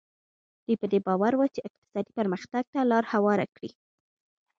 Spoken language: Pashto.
دوی په دې باور وو چې اقتصادي پرمختګ ته لار هواره کړي.